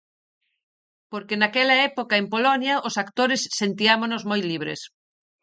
Porque naquela época en Polonia os actores sentiámonos moi libres.